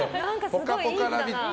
ぽかぽかラヴィット！